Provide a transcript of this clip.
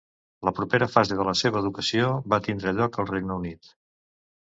La propera fase de la seva educació va tindre lloc al Regne Unit.